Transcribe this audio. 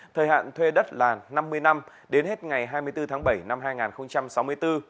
thời hạn thuê đất là năm mươi năm đến hết ngày hai mươi bốn tháng bảy năm hai nghìn sáu mươi bốn